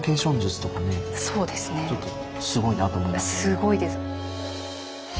すごいです。